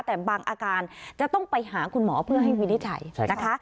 แต่บางอาการจะต้องไปหาคุณหมอเพื่อให้วินิจฉัยนะคะ